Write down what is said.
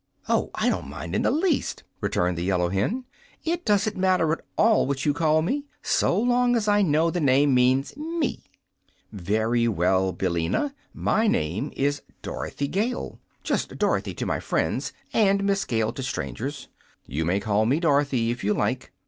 "Oh, I don't mind it in the least," returned the yellow hen. "It doesn't matter at all what you call me, so long as I know the name means ME." "Very well, Billina. MY name is Dorothy Gale just Dorothy to my friends and Miss Gale to strangers. You may call me Dorothy, if you like.